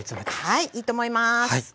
はいいいと思います。